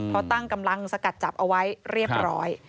เขาตั้งกำลังสกัดจับเอาไว้เรียบร้อย